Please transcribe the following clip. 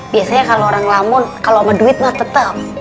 biasanya kalau orang lamun kalau sama duit mah tetap